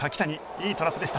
いいトラップでした。